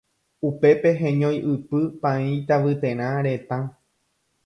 Upépe heñoiʼypy Paĩ Tavyterã retã.